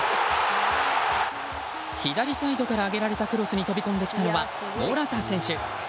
左サイドから上げられたクロスに飛び込んできたのはモラタ選手。